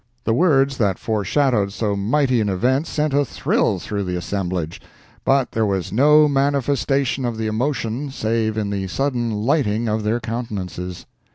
The words that foreshadowed so mighty an event sent a thrill through the assemblage, but there was no manifestation of the emotion save in the sudden lighting of their countenances.